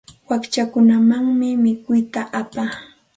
Wakchakunamanmi mikuyta apaa.